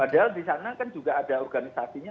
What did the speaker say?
padahal di sana kan juga ada organisasinya